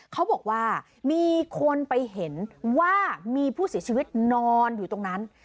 เขาบอกว่ามีคนไปเห็นว่ามีผู้เสียชีวิตนอนอยู่ตรงนั้น